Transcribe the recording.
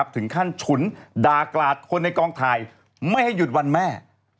ถึงขั้นฉุนด่ากลาดคนในกองถ่ายไม่ให้หยุดวันแม่